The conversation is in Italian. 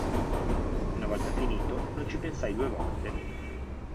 Una volta finito non ci pensai due volte.